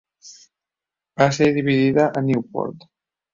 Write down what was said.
Va ser dividida a Newport.